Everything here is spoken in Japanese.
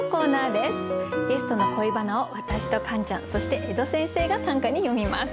ゲストの恋バナを私とカンちゃんそして江戸先生が短歌に詠みます。